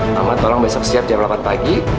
pertama tolong besok siap jam delapan pagi